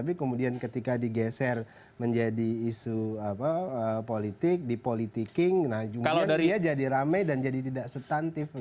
tapi kemudian ketika digeser menjadi isu politik dipolitiking nah jumlahnya dia jadi ramai dan jadi tidak subtantif